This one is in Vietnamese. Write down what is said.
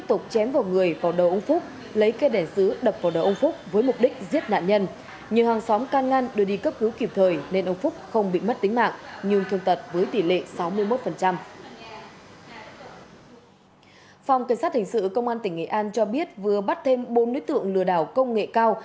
cảnh sát hình sự công an tỉnh nghệ an cho biết vừa bắt thêm bốn đối tượng lừa đảo công nghệ cao